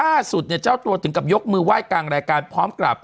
ล่าสุดเนี่ยเจ้าตัวถึงกับยกมือไหว้กลางรายการพร้อมกลับ